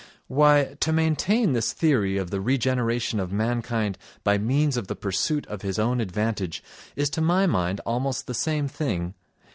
Why, to maintain this theory of the regeneration of mankind by means of the pursuit of his own advantage is to my mind almost the same thing